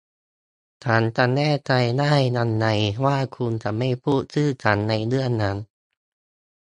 ฉันจะแน่ใจได้ยังไงว่าคุณจะไม่พูดชื่อฉันในเรื่องนั้น